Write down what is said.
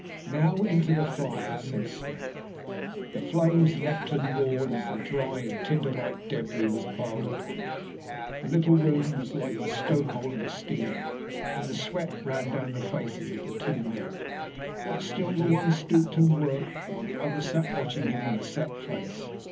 "Now into the fire!" said Smith. The flames leaped and roared as the dried and tinderlike debris was piled upon it. The little room was like the stoke hole of a steamer and the sweat ran down the faces of the two men; but still the one stooped and worked, while the other sat watching him with a set face.